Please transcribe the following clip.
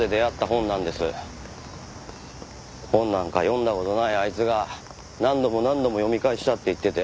本なんか読んだ事ないあいつが何度も何度も読み返したって言ってて。